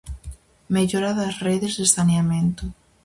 Mellora das redes de saneamento.